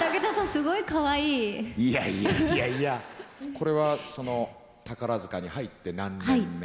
これはその宝塚に入って何年目。